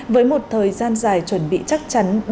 với một thời gian dài chuẩn bị chắc chắn